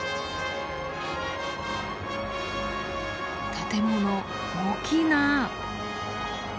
建物大きいなあ。